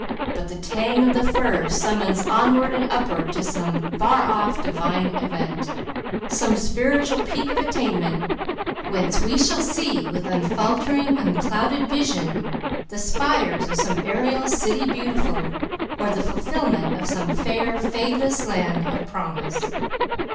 But the tang of the fir summons onward and upward to some 'far off, divine event' some spiritual peak of attainment whence we shall see with unfaltering, unclouded vision the spires of some aerial City Beautiful, or the fulfilment of some fair, fadeless land of promise."